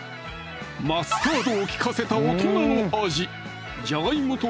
マスタードを利かせた大人の味